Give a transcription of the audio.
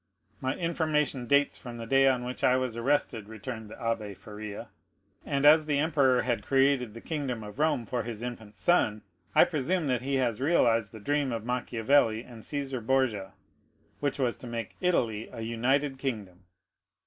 "My information dates from the day on which I was arrested," returned the Abbé Faria; "and as the emperor had created the kingdom of Rome for his infant son, I presume that he has realized the dream of Machiavelli and Cæsar Borgia, which was to make Italy a united kingdom."